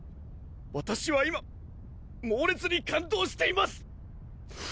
私は今猛烈に感動しています。